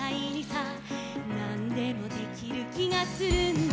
「なんでもできる気がするんだ」